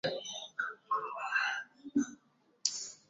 yao kimataifa mnamo manowari za Marekani ziliilazimisha